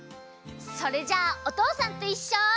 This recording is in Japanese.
それじゃあ「おとうさんといっしょ」。